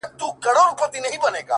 • د ژوند دوهم جنم دې حد ته رسولی يمه ـ